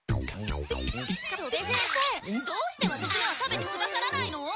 戸部先生どうしてワタシのは食べてくださらないの？